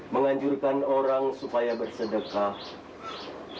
menganjurkan orang supaya bersedekah